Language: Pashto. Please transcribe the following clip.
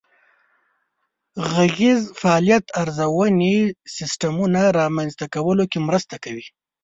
د غږیز فعالیت ارزونې سیسټمونه رامنځته کولو کې مرسته کوي.